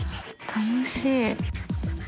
楽しい。